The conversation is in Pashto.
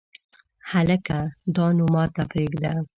هلکه دا نو ماته پرېږده !